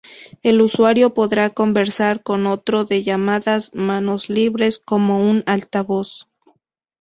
El usuario podrá conversar con otro de llamadas manos libres, como un altavoz.